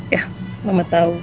ya mama tau